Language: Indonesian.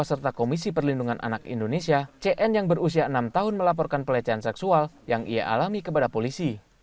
serta komisi perlindungan anak indonesia cn yang berusia enam tahun melaporkan pelecehan seksual yang ia alami kepada polisi